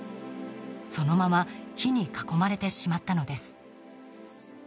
そのまま火に囲まれてしまったのです。